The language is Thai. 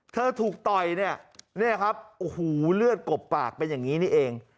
ถูกต่อยเนี่ยเนี่ยครับโอ้โหเลือดกบปากเป็นอย่างนี้นี่เอง